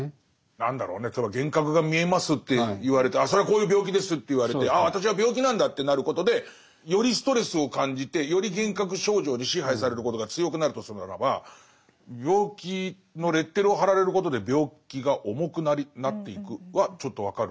何だろうね例えば幻覚が見えますって言われてああそれはこういう病気ですと言われてああ私は病気なんだってなることでよりストレスを感じてより幻覚症状に支配されることが強くなるとするならば病気のレッテルを貼られることで病気が重くなっていくはちょっと分かる。